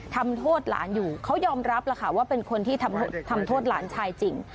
ทำโทษหลานอยู่เขายอมรับแล้วค่ะว่าเป็นคนที่ทำโทษหลานชายจริง